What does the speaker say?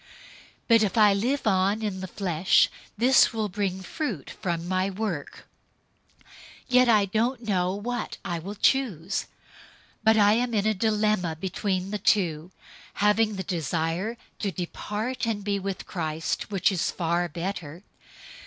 001:022 But if I live on in the flesh, this will bring fruit from my work; yet I don't make known what I will choose. 001:023 But I am in a dilemma between the two, having the desire to depart and be with Christ, which is far better.